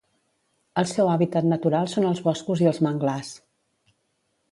El seu hàbitat natural són els boscos i els manglars.